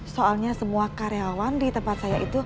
soalnya semua karyawan di tempat saya itu